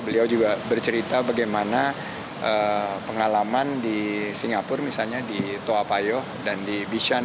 beliau juga bercerita bagaimana pengalaman di singapura misalnya di toapayo dan di bishan